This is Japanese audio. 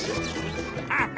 あ！